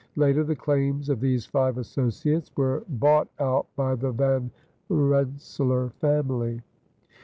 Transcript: Later the claims of these five associates were bought out by the Van Rensselaer family.